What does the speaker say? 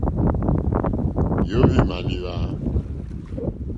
Yǒhwì màlíwá.